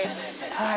はい。